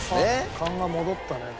勘が戻ったね。